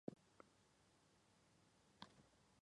此书先以抄本流传。